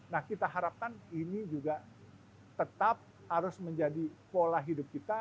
nah kita harapkan ini juga tetap harus menjadi pola hidup kita